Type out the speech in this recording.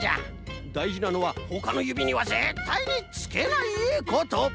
だいじなのはほかのゆびにはぜったいにつけないこと！